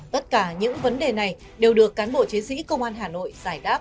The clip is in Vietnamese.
tất cả những vấn đề này đều được cán bộ chiến sĩ công an hà nội giải đáp